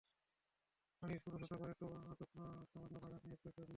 পনির ছোট ছোট করে টুকরা করে সামান্য বাগার দিয়ে একটু ভেজে নিন।